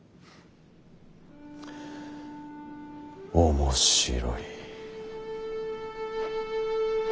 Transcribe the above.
面白い。